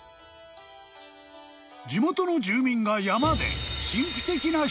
［地元の住民が山で］